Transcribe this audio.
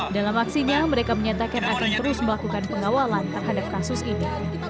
dalam aksinya mereka menyatakan akan terus melakukan pengawalan terhadap kasus ini